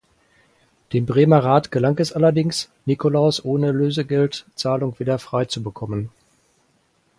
Dem Bremer Rat gelang es allerdings Nikolaus ohne Lösegeldzahlung wieder frei zu bekommen.